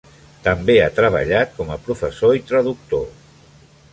També ha treballat com a professor i traductor.